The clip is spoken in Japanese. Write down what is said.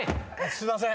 すいません。